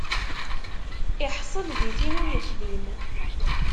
Iḥṣel di tin ur ixdim.